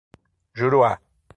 Juruá